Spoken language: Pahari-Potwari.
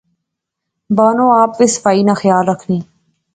بانو آپ وی صفائی نا خیال رخنی